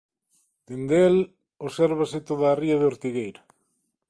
Dende el obsérvase toda a ría de Ortigueira.